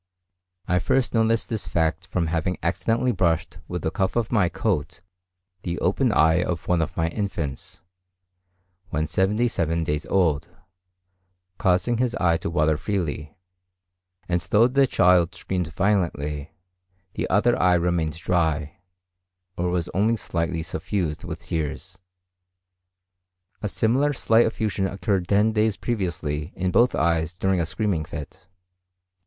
I first noticed this fact from having accidentally brushed with the cuff of my coat the open eye of one of my infants, when seventy seven days old, causing this eye to water freely; and though the child screamed violently, the other eye remained dry, or was only slightly suffused with tears. A similar slight effusion occurred ten days previously in both eyes during a screaming fit.